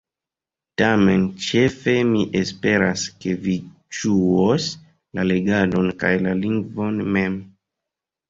Tamen ĉefe mi esperas, ke vi ĝuos la legadon, kaj la lingvon mem.